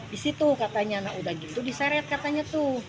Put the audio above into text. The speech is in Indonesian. di situ katanya nah udah gitu diseret katanya tuh